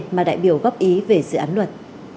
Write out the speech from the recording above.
mà đại biểu góp ý về dự án luật